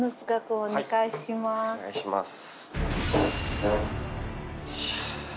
お願いします。